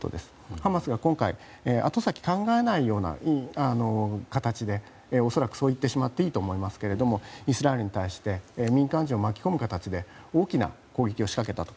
ハマスが今回後先考えないような形で恐らく、そう言ってしまっていいと思いますがイスラエルに対して民間人を巻き込む形で大きな攻撃を仕掛けたと。